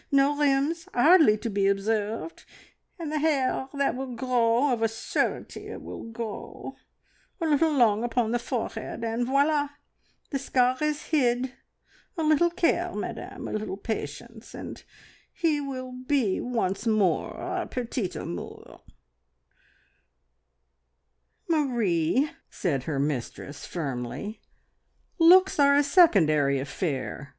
No rims hardly to be observed! And the hair that will grow of a surety it will grow. A little long upon the forehead, and voila! The scar is hid. ... A little care, Madame, a little patience, and he will be once more our petit amour!" "Marie," said her mistress firmly, "looks are a secondary affair.